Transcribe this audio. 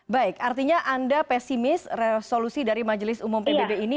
baik artinya anda pesimis resolusi dari majelis umum pbb ini